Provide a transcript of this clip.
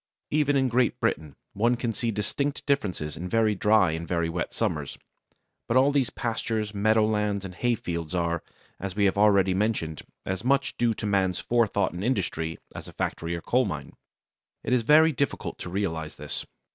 Even in Great Britain one can see distinct differences in very dry and very wet summers, but all these pastures, meadowlands, and hay fields are, as we have already mentioned, as much due to man's forethought and industry as a factory or coal mine. It is very difficult to realize this.